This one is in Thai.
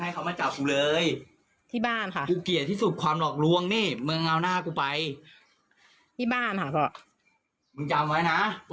กลัวหรอครึ่งบอกกลัวหรอ